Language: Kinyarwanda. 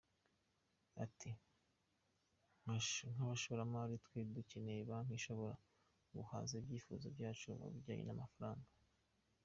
Ati “Nk’abashoramari, twe dukenera banki ishobora guhaza ibyifuzo byacu mu bijyanye n’amafaranga.